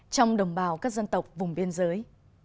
trong đồng bào các dân tộc vùng biên giới